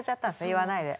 言わないで。